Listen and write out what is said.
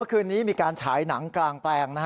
คืนนี้มีการฉายหนังกลางแปลง